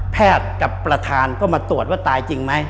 แพทย์กับประธานก็มาตรวจว่าตายจริงไหม